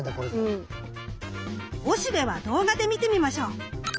おしべは動画で見てみましょう。